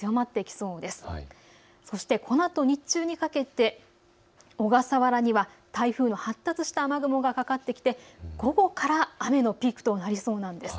そして、このあと日中にかけて小笠原には台風の発達した雨雲がかかってきて午後から雨のピークとなりそうなんです。